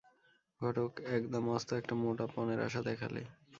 ঘটক একদা মস্ত একটা মোটা পণের আশা দেখালে।